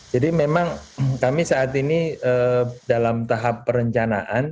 jadi memang kami saat ini dalam tahap perencanaan